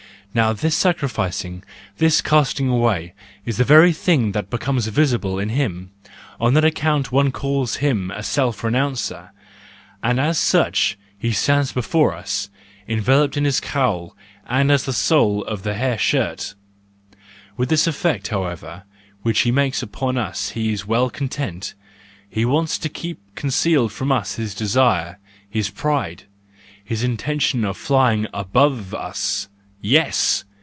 Now this sacrificing, this casting away, is the very thing which becomes visible in him: on that account one calls him the self renouncer, and as such he stands before us, enveloped in his cowl, and as the soul of a hair shirt. With this effect, however, which he makes upon us he is well content: he wants to keep concealed from us his desire, his pride, his intention of flying above us.—Yes!